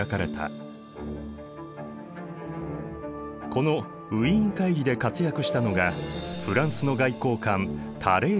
このウィーン会議で活躍したのがフランスの外交官タレーランだ。